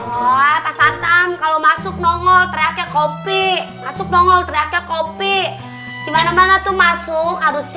kalau masuk nongol teriaknya copy masuk nongol teriaknya copy gimana mana tuh masuk aduh sih